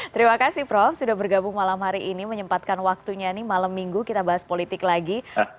terima kasih prof sudah bergabung malam hari ini menyempatkan waktunya nih malam minggu kita bahas politik lagi